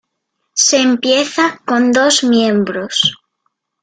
Se empieza con dos miembros.